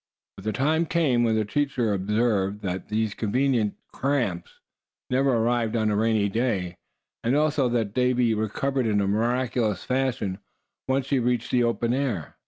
But the time came when the teacher observed that these convenient "cramps" never arrived on a rainy day; and also that Davy recovered in a miraculous fashion, once he reached the open air.